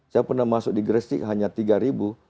saya pernah masuk di gresik hanya tiga ribu